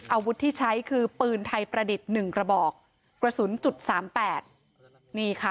อาวุธที่ใช้คือปืนไทยประดิษฐ์หนึ่งกระบอกกระสุนจุดสามแปดนี่ค่ะ